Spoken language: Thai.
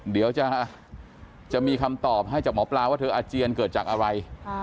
เดี๋ยวจะมีคำตอบให้จากหมอปลาว่าเธออาเจียนเกิดจากอะไร